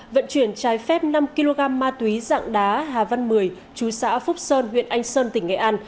vận chuyển trái phép năm kg ma túy dạng đá hà văn mười chú xã phúc sơn huyện anh sơn tỉnh nghệ an